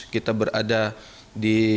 kita berada di